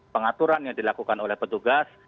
pengaturan yang dilakukan oleh petugas